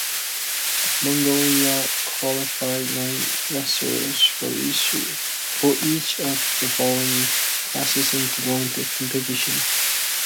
Mongolia qualified nine wrestlers for each of the following classes into the Olympic competition.